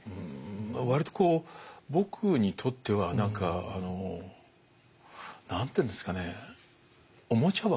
割とこう僕にとっては何か何て言うんですかねおもちゃ箱。